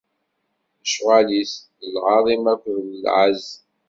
Lecɣal-is, d lɛaḍima akked lɛezz.